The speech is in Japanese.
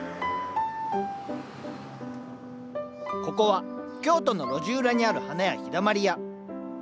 ここは京都の路地裏にある花屋「陽だまり屋」。